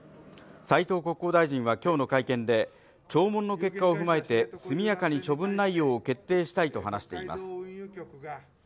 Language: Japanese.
斉藤国交大臣は今日の会見で、聴聞の結果を踏まえて速やかに処分内容を決定したいと話しています。